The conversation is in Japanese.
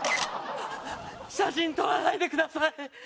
写真撮らないでください。